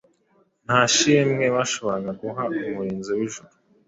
Nta shimwe bashoboraga guha Umurinzi wijuru